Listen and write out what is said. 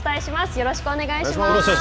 よろしくお願いします。